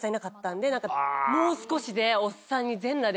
もう少しで。